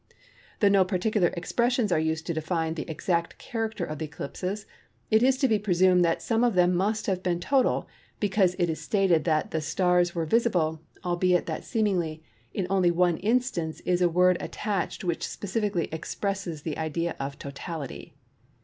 C. Though no particular expressions are used to define the exact character of the eclipses, it is to be presumed that some of them must have been total, because it is stated that the stars were visible, albeit that seemingly in only one instance is a word attached which specifically expresses the idea of totality.